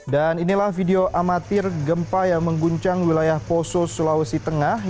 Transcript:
dan inilah video amatir gempa yang mengguncang wilayah poso sulawesi tengah